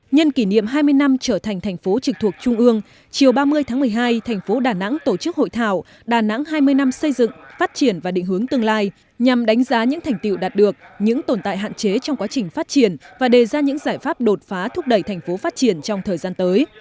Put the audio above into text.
nhân kỷ niệm hai mươi năm trở thành tp hcm chiều ba mươi tháng một mươi hai tp đà nẵng tổ chức hội thảo đà nẵng hai mươi năm xây dựng phát triển và định hướng tương lai nhằm đánh giá những thành tiệu đạt được những tồn tại hạn chế trong quá trình phát triển và đề ra những giải pháp đột phá thúc đẩy tp hcm trong thời gian tới